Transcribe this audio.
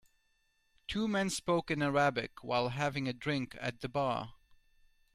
Two men spoke in Arabic while having a drink at the bar.